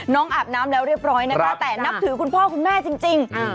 อาบน้ำแล้วเรียบร้อยนะคะแต่นับถือคุณพ่อคุณแม่จริง